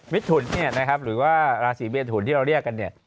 มิทุนนี่หรือว่าราศิเบเนตุลที่เราเรียกกัน